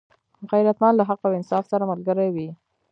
غیرتمند له حق او انصاف سره ملګری وي